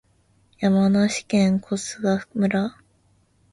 山梨県小菅村